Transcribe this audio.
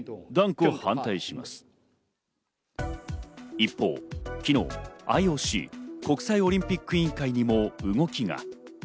一方、昨日ＩＯＣ＝国際オリンピック委員会にも動きが。